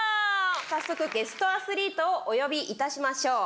早速、ゲストアスリートをお呼びいたしましょう。